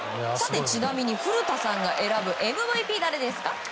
ちなみに古田さんが選ぶＭＶＰは誰ですか？